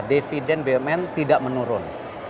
dividen bmn tidak menurun